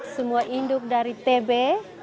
semua induk dari tebe